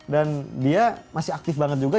dan dia masih aktif banget juga